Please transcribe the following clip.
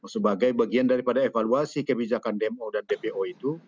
sebagai bagian daripada evaluasi kebijakan dmo dan dpo itu